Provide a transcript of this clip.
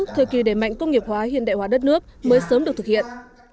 thời kỳ đề mạnh công nghiệp hóa hiện đại hóa đất nước mới sớm được thực hiện